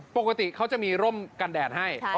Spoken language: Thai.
ปกติเขาจะมีร่มกันแดดให้